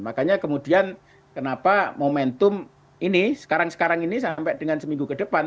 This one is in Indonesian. makanya kemudian kenapa momentum ini sekarang sekarang ini sampai dengan seminggu ke depan